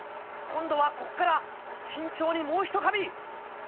今度はここから慎重にもうひと噛み！